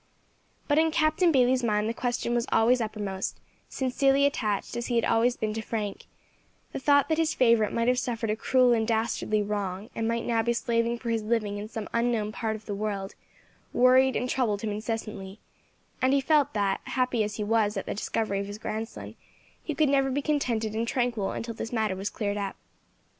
But in Captain Bayley's mind the question was always uppermost; sincerely attached as he had always been to Frank, the thought that his favourite might have suffered a cruel and dastardly wrong, and might now be slaving for his living in some unknown part of the world, worried and troubled him incessantly, and he felt that, happy as he was at the discovery of his grandson, he could never be contented and tranquil until this matter was cleared up.